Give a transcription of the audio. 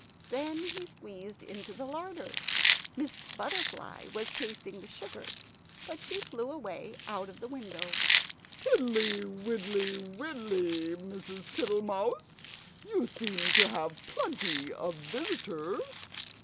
Then he squeezed into the larder. Miss Butterfly was tasting the sugar; but she flew away out of the window. "Tiddly, widdly, widdly, Mrs. Tittlemouse; you seem to have plenty of visitors!"